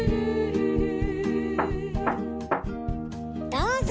どうぞ！